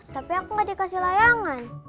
tapi aku gak dikasih layangan